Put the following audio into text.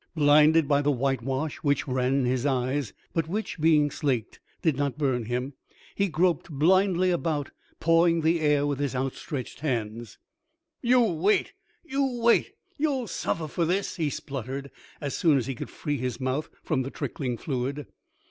Blinded by the whitewash which ran in his eyes, but which, being slaked, did not burn him, he grouped blindly about, pawing the air with his outstretched hands. "You wait! You wait! You'll suffer for this!" he spluttered, as soon as he could free his mouth from the trickling fluid.